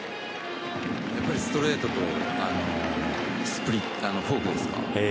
やっぱりストレートとフォークですか。